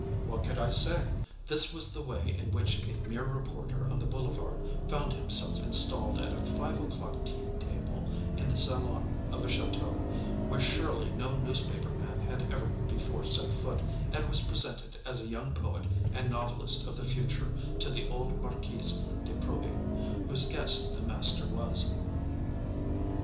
What could I say? This was the way in which a mere reporter on the Boulevard found himself installed at a five o'clock tea table in the salon of a château, where surely no newspaper man had ever before set foot and was presented as a young poet and novelist of the future to the old Marquise de Proby, whose guest the master was.